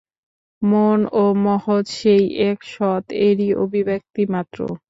মন ও মহৎ সেই এক সৎ-এরই অভিব্যক্তি মাত্র।